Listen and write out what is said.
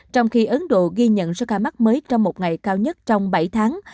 trong khi ấn độ ghi nhận số ca mắc mới trong một ngày cao nhất trong bảy tháng